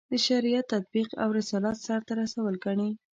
د شریعت تطبیق او رسالت سرته رسول ګڼي.